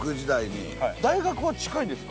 大学は近いんですか？